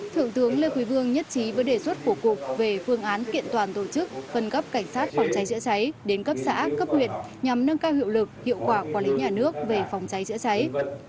thượng tướng lê quý vương nhất trí với đề xuất của cục về phương án kiện toàn tổ chức phân cấp cảnh sát phòng cháy chữa cháy đến cấp xã cấp huyện nhằm nâng cao hiệu lực hiệu quả quản lý nhà nước về phòng cháy chữa cháy